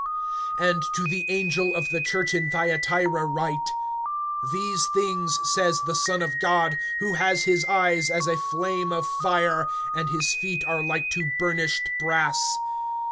(18)And to the angel of the church in Thyatira write: These things says the Son of God, who has his eyes as a flame of fire, and his feet are like to burnished brass.